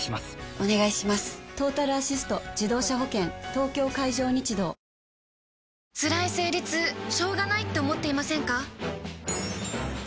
東京海上日動つらい生理痛しょうがないって思っていませんか？